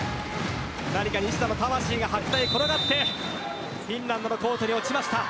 西田の魂が転がってフィンランドのコートに落ちました。